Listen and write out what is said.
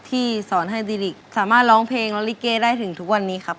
ที่สอนให้ดิริกสามารถร้องเพลงและลิเกได้ถึงทุกวันนี้ครับ